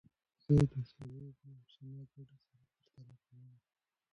زه د سړو اوبو او سونا ګټې سره پرتله کوم.